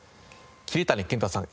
桐谷健太さん